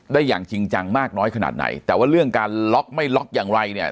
อย่างจริงจังมากน้อยขนาดไหนแต่ว่าเรื่องการล็อกไม่ล็อกอย่างไรเนี่ย